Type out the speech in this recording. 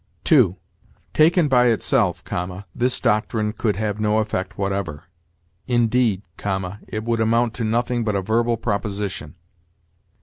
2. 'Taken by itself[,] this doctrine could have no effect whatever; indeed[,] it would amount to nothing but a verbal proposition.'